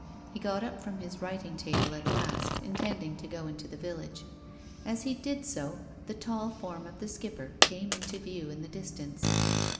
He got up from his writing table at last, intending to go into the village. As he did so, the tall form of the Skipper came into view in the distance.